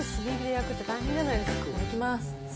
いただきます。